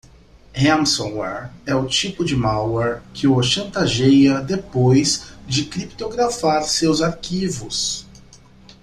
Ransomware é o tipo de malware que o chantageia depois de criptografar seus arquivos.